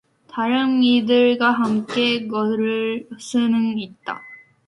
다른 이들과 함께 걸을 수는 있다.